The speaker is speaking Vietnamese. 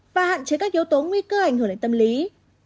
và hạn chế các yếu tố nguy cơ ảnh hưởng đến tâm lý